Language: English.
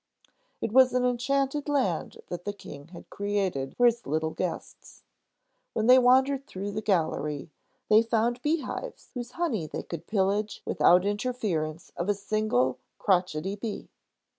It was an enchanted land that the King had created for his little guests. When they wandered through the gallery, they found bee hives whose honey they could pillage without the interference of a single crotchety bee.